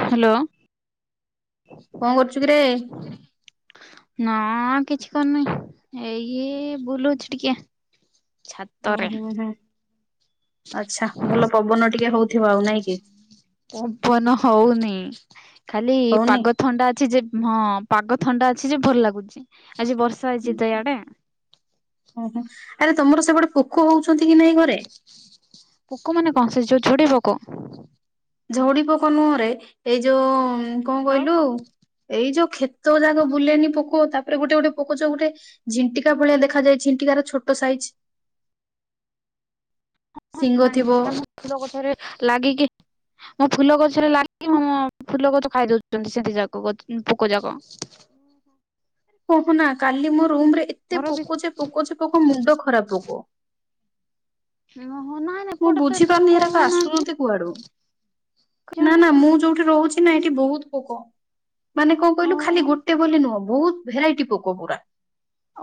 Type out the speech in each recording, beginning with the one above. Hello. କଣ କରୁଛୁ କିରେ? ନା କିଛି କରୁନି ଏଇ ଏ- ବୁଲୁଚି ଟିକେ। ଛା ଉଁ ହୁଁ ହୁଁ ଆଛା ଭଲ ପବନ ଟିକେ ହଉଥିବ ଆଉ ନାଇଁ କି ପବନ ହଉନି ଖାଲି ହଉନି? ପାଗ ତ ଥଣ୍ଡା ଅଛି ଯେ ହଁ ପାଗ ଥଣ୍ଡା ଅଛି ଯେ ଭଲ ଲାଗୁଚି ଆଜି ବର୍ଷା ହେଇଚି ତ ୟାଡେ। ଓହୋ ଆରେ ତମର ସେପଟେ ପୋକ ହଉଚନ୍ତି କି ନାଇଁ ଘରେ? ପୋକ ମାନେ କଣ ସେ ଯଉ ଛୋଡି ପୋକ। ଝଡି ପୋକ ନୁହଁରେ ଏଇ ଯଉ କଁ ଆଉ କହିଲୁ ଏଇ ଯଉ କ୍ଷେତ ଯାକ ବୁଲେନି ପୋକ ତାପରେ ଗୋଟେ ଗୋଟେ ପୋକ ଚ ଗୋଟେ ଝଣ୍ଟିକା ଭଳିଆ ଦେଖାଯାଏ ଝଣ୍ଟିକାର ଛୋଟ ସାଇଜ୍। ହଁ ହଁ ଶିଙ୍ଗ ଥିବ ଜାଣିଚି ସେଟା [unintelligible] ଲାଗିକି ମୋ ଫୁଲ ଗଛରେ ଲାଗି ମ ଫୁଲ ଗଛ ଖାଇ ଦଉଚନ୍ତି ସେ ଦି ଯାକ ପୋକ ଯାକ। କହନା କାଲି ମୋ ରୁମ୍ ରେ ଏତେ ଘର ବି ପୋକ ଯେ ପୋକ ଯେ ପୋକ ମୁଣ୍ଡ ଖରାପ୍ ପୋକ। ନା ନା ମୁଁ ଏପଟେ ତ ବୁଝିପାରୁନି ପୋକ ଏରାକ ହୋଉନାହାନ୍ତି। ଆସୁଛନ୍ତି କୁଆଡୁ ନା ନା ମୁଁ ଯଉଠି ରହୁଚି ନା ଏଠି ବହୁତ୍ ପୋକ। ମାନେ କଁ କହିଲୁ ଖାଲି ଓହୋ। ଗୋଟେ ବୋଲି ନୁହଁ ବହୁତ ଭେରାଇଟି ପୋକ ପୁରା।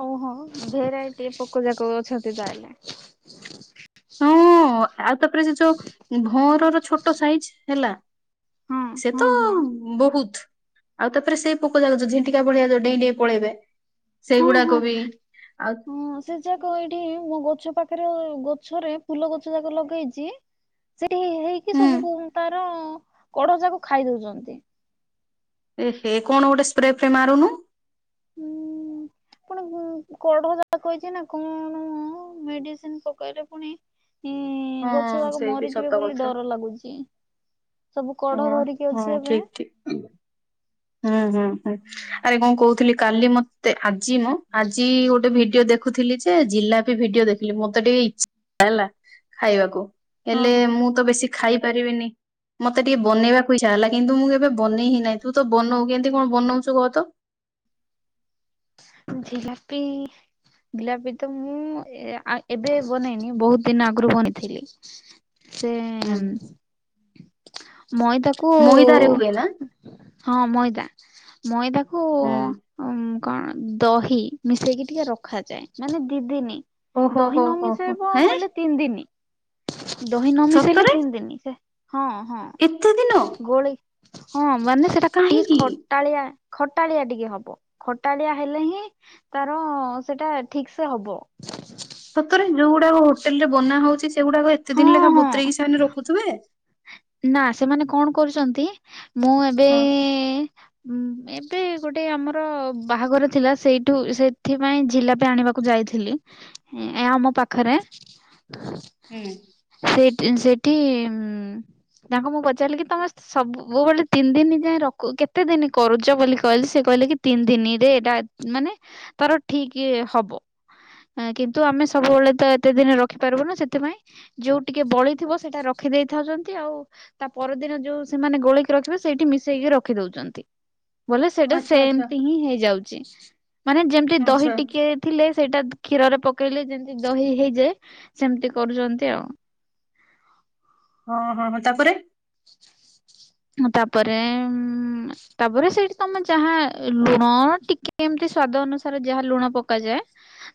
ଓହୋ ଭେରାଇଟି ପୋକ ଯାକ ଅଛନ୍ତି ତାହେଲେ। ହଁ ଆଉ ତାପରେ ସେ ଯୋଉ ଭଅ଼ଁରର ଛୋଟ ସାଇଜ ହେଲା ହଁ ସେ ତ ହଁ ହଁ ବହୁତ। ଆଉ ତାପରେ ସେଇ ପୋକ ଯାଗ ଯୋଉ ଝିଣ୍ଟିକା ଭଳିଆ ଯୋଉ ଡେଇଁଡେଇଁ ପଳେଇବେ ହଁ ହଁ। ସେଇଗୁଡାକ ବି ଆଉ ହଁ ସେ ଯାକ ଏଇଠି ମୋ ଗଛ ପାଖରେ ଗଛରେ ଫୁଲ ଗଛ ଯାକ ଲଗେଇଚି। ସେଠି ହେଇକି ହୁଁ ସବୁ ତାର କଢ ଯାକ ଖାଇ ଦଉଚନ୍ତି। ଏ ହେ କଣ ଗୋଟେ ସ୍ପ୍ରେ ଫ୍ରେ ମାରୁନୁ। ଉଁ ଆପଣ ପୁ କଢ ଯାକ ହେଇଚି ନା କଅଣ ମେଡିସିନ ପକେଇଲେ ପୁଣି ହିଁ ହଁ ଗଛ ଯାକ ସେଇ ବି ମରିଯିବେ ସତ ବୋଲି କଥା ଡର ଲାଗୁଚି। ସବୁ କଢ ହଁ ଧରିକି ଅଛି ଏବେ। ହଁ ହଁ ହଁ ଆରେ କଁ କହୁଥିଲି କାଲି ମତେ ଆଜି ମ ଆଜି ଗୋଟେ ଭିଡିଓ ଦେଖ ଦେଖୁଥିଲି ଯେ ଜିଲାପି ଭିଡିଓ ଦେଖିଲିମତେ ଟିକେ ଇଛା ହେଲା ଖାଇଆକୁ। ହଁ ହେଲେ ହଁ। ମୁଁ ତ ବେଶୀ ଖାଇ ପାରିବିନି ମତେ ଟିକେ ବନେଇବାକୁ ଇଛା ହେଲା କିନ୍ତୁ ମୁଁ କେବେ ବନେଇ ହିଁ ନାହିଁ ତୁ ତୁ ବନୋଉ କେମିତି କଁ ବନଉଚୁ କହ ତ? ଝିଲାପି ଜିଲାପି ତ ମୁଁ ଏ ଆ ଏବେ ବନେଇନି ବହୁତ ଦିନ ଆଗୁରୁ ବନେଇଥିଲି। ସେ ହୁଁ ମଇଦାକୁ ମଇଦାରେ ହୁଏ ନା ହଁ ମଇଦା ମଇଦା କୁ ହୁଁ ଉଁ କଣ ଦହି ମିଶେଇକି ଟିକେ ରଖାଯାଏ ମାନେ ଦି ଦିନି। ଓହୋ ଦହି ହୋ ନ ହୋ ହୋ ମିଶେଇବ ହେଁ ବୋଲି ତିନି ଦିନି ଦହି ନ ମିଶେଇଲେ ସତରେ ତିନି ଦିନି ସେ ହଁ ହଁ। ଏତେ ଦିନ? ଗୋଳି ହଁ ମାନେ ସେଟା ଟିକେ କାହିଁକି ଖଟାଳିଆ, ଖଟାଳିଆ ଟିକେ ହବ। ଖଟାଳିଆ ହେଲେ ହିଁ ତାର ସେଟା ଠିକ ସେ ହବ। ସତରେ ଯୋଉଗୁଡାକ ହୋଟେଲ ରେ ବନା ହଉଛି, ସେଗୁଡାକ ଏତେ ଦିନି ହଁ ଲେଖାଏଁ ହଁ ବତୁରେଇକି ସେମାନେ ରଖୁଥିବେ? ନା, ସେମାନେ କଣ କରୁଚନ୍ତି ମୁଁ ଏବେ ହଁ ଏବେ ଗୋଟେ ଆମର ବାହାଘର ଥିଲା ସେଇଠୁ ସେଥିପାଇଁ ଜିଲାପି ଆଣିବାକୁ ଯାଇଥିଲି। ହେଁ ଏ ଆମ ପାଖରେ। ହୁଁ। ସେଇଟି ଉଁ ସେଇଠି ଉଁ ତାଙ୍କୁ ମୁଁ ପଚାରିଲି କି ତମ ସବୁ ବେଳେ ତିନି ଦିନି ଯାଏ ରଖୁ କେତେ ଦିନି କରୁଚ ବୋଲି କହିଲି ସେ କହିଲେ କି ତିନି ଦିନିରେ ଏଇଟା ମାନେ ତାର ଠିକ୍ ହବ। ଏଁ କିନ୍ତୁ ଆମେ ସବୁବେଳେ ତ ଏତେ ଦିନି ରଖିପାରିବୁନୁ ସେଥିପାଇଁ ଯୋଉ ଟିକେ ବଳିଥିବ ସେଇଟା ରଖିଦେଇ ଥାଉଚନ୍ତି ଆଉ ତା ପରଦିନ ଯୋଉ ସେମାନେ ଗୋଳେଇକି ରଖିବେ ସେଇଠି ମିଶେଇକି ରଖିଦଉଚନ୍ତି। ବୋଲେ ସେଇଟା ଆଚ୍ଛା ଆଚ୍ଛା ସେମତି ହିଁ ହେଇଯାଉଚି ମାନେ ଯେମତି ଦହି ଆଚ୍ଛା ଟିକିଏ ଥିଲେ ସେଇଟା କ୍ଷୀରରେ ପକେଇଲେ ଯେମତି ଦହି ହେଇଯାଏ ସେମତି କରୁଚନ୍ତି ଆଉ। ହଁ ହଁ ହଁ ତାପରେ? ହଁ ତାପରେ ଉଁ ତାପରେ ସେଇଠି ତମେ ଯାହା ଲୁଣ ଟିକେ ଏମତି ସ୍ଵାଦ ଅନୁସାରେ ଯାହା ଲୁଣ ପକାଯାଏ।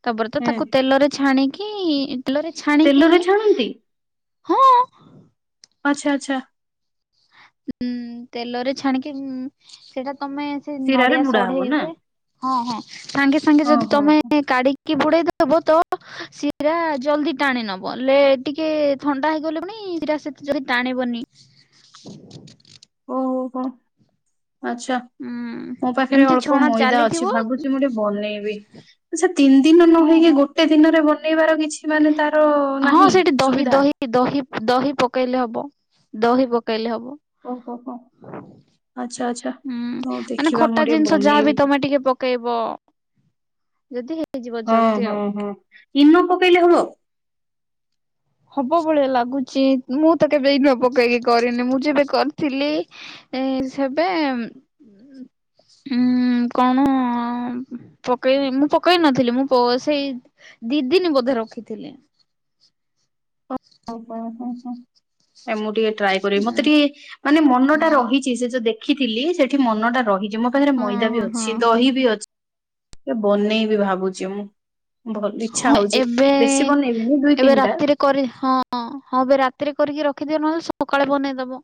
ତାପରେ ତ ହୁଁ ତାକୁ ତେଲରେ ଛାଣିକି ତେଲରେ ଛାଣିକି ତେଲରେ ହିଁ ଛାଣନ୍ତି ହଁ। ଆଚ୍ଛା ଆଚ୍ଛା। ଉଁ ତେଲରେ ଛାଣିକି ଉଁ ସେଇଟା ତମେ ଇଁ ଶିରାରେ ନଡିଆ ବୁଡା ହବ ସଢେଇ ନା ହୁଏ ହଁ ହଁ ସାଙ୍ଗେ ସାଙ୍ଗେ ଯଦି ଓହୋ ତମେ କାଢି କି ବୁଡେଇଦବ ତ ଶିରା ଜଲଦି ଟାଣି ନବ ଲେ ଟିକିଏ ଥଣ୍ଡା ହେଇଗଲେ ପୁଣି ଶିରା ସେତେ ଯଦି ଟାଣିବନି। [unintelligible] ଓହୋ ହୋ ଆଚ୍ଛା। ଉଁ ମୋ ପାଖେରେ ଏମିତି ଅଳ୍ପ ଛଣା ମଇଦା ଚାଲିଥିବ ଅଛି ଭାବୁଚି ମୁଁ ଟିକେ ବନେଇବି। ସେ ତିନି ଦିନ ନ ହଁ ହେଇକି ହଁ ଗୋଟେ ଦିନରେ ବନେଇବାର କିଛି ମାନେ ତାର ନାହିଁ ସୁବିଧା? ହି ଦହି ଦହି ପକେଇଲେ ହବ ଦହି ପକେଇଲେ ହବ। ଓହୋ ହୋ ଆଚ୍ଛା ଆଚ୍ଛା ହୁଁ ହଉ ମାନେ ଦେଖିବା ଖଟା ମୁଁ ଟିକେ ଜିନିଷ ଯାହାବି ବନେଇବି ତମେ ଟିକେ ପ କେଇବ ଯଦି ହେଇଯିବ ହଁ ଜଲଦି ହଁ ଆଉ। ହଁ ଇନୋ ପକେଇଲେ ହବ? ହବ ଭଳିଆ ଲାଗୁଚି ମୁଁ ତ କେବେ ଇନୋ ପକେଇକି କରିନି ମୁଁ ଯେବେ କରିଥିଲି ଏ ସେବେ ଉଁ କଣ ପକେଇନି ମୁଁ ପକେଇ ନଥିଲି ମୁଁ ପ ସେଇ ଦି ଦିନି ବୋଧେ ରଖିଥିଲି। ଓହୋ ହଁ ହଁ ଏ ମୁଁ ଟିକେ ଟ୍ରାଏ କରିବି ମତେ ଟିକେ ମାନେ ମନ ଟା ରହିଚି ସେ ଯୋଉ ଦେଖିଥିଲି ସେଠି ମନଟା ରହିଚି ମୋ ପାଖେରେ ହଁ ମଇଦା ବି ହଁ ହଁ ଅଛି ଦହି ବି ଅଛି ଟିକେ ବନେଇବି ଭାବୁଚି ମୁଁ। ଭଲ ଇଚ୍ଛା ହଁ ହଉଚି ଏବେ ବେଶୀ ବନେଇବିନି ଦୁଇ ଏବେ ତିନିଟା। ରାତିରେ କରି ହଁ ହଁ ଏବେ ରାତିରେ କରିକି ରଖିଦିଅ ନହେଲେ ସକାଳେ ବନେଇଦବ।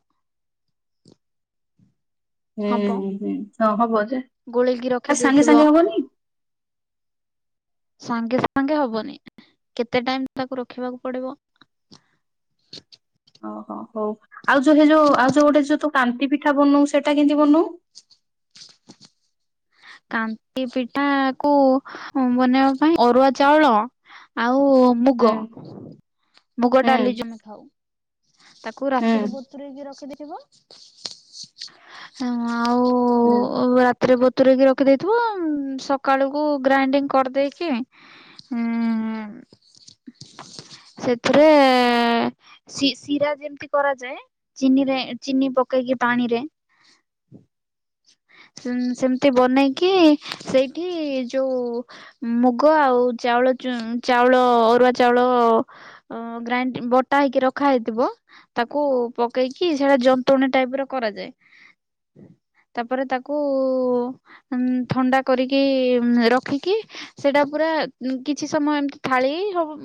ହୁଁ ହବ। ହୁଁ ହଁ ହବ ଯେ। ଗୋଳେଇକି ଆ ରଖି ସାଙ୍ଗେ ଦେଇଥିବ। ସାଙ୍ଗେ ହବନି ସାଙ୍ଗେ ସାଙ୍ଗେ ହବନି କେତେ ଟାଇମ ତାକୁ ରଖିବାକୁ ପଡିବ। ଓହୋ ହଉ ଆଉ ଯୋଉ ସେଇ ଯଉ ଯୋଉ ଗୋଟେ ଯୋଉ ତୁ କାନ୍ତି ପିଠା ବନଉ ସେଇଟା କେମିତି ବନଉ କାନ୍ତି ପିଠା କୁ ବନେଇବା ପାଇଁ ଅରୁଆ ଚାଉଳ ଆଉ ହୁଁ ମୁଗ ମୁଗ ହୁଁ ଡାଲି ଯୋ ଆମେ ଖାଉ। ତାକୁ ହୁଁ ରାତିରୁ ବତୁରେ ହେଇକି ରଖିଦେବ। ହଁ ଆଉ ହଁ ଉ ରାତିରେ ବତୁୁରକି ରଖିଦେଇଥିବ ସକାଳକୁ ଗ୍ରାଇଣ୍ଡିଙ୍ଗ କରିଦେଇକି ଏଁ ସେଥିରେ ଶି ଶିରା ଯେମିତି କରାଯାଏ। ଚିନିରେ ଚିନି ପକେଇକି ପାଣିରେ। ସେମିତି ବନେଇକି ସେଇଠି ଯୋଉ ମୁଗ ଆଉ ଚାଉଳ ଚୁ ଚାଉଳ ଅରୁଆ ଚାଉଳ ଓ ଗ୍ରାଇଣ୍ଡ ବଟା ହେଇକି ରଖା ହେଇଥିବ। ତାକୁ ପକେଇକି ସେଇଟା ଯନ୍ତଣୀ ଟାଇପ ର କରାଯାଏ। ତାପରେ ତାକୁ ଉଁ ଥଣ୍ଡା କରିକି ରଖିକି ସେଟା ପୁରା କିଛି ସମୟ ଏମିତି ଥାଳି ହବ